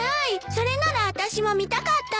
それならあたしも見たかったのに。